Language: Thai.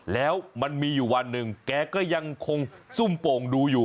แล้วมันมีอยู่วันหนึ่งแกก็ยังคงซุ่มโป่งดูอยู่